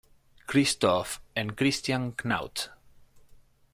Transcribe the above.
Christoph and Christian Knaut.